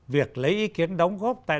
việc lấy ý kiến đóng góp tại đảng